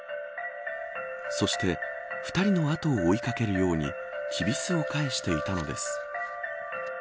そして２人の後を追いかけるようにきびすを返していたのです。